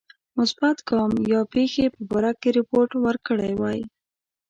مثبت ګام یا پیښی په باره کې رپوت ورکړی وای.